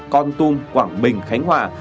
con tung quảng bình khánh hòa